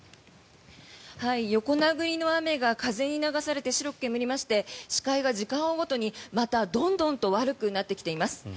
横殴りの雨が風に流されて白く煙りまして視界が時間を追うごとにまた、どんどんと悪くなってきています。